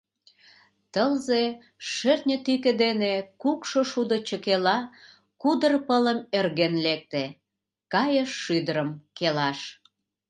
Тылзе шӧртньӧ тӱкӧ дене Кукшо шудо чыкела Кудыр пылым ӧрген лекте, Кайыш шӱдырым келаш.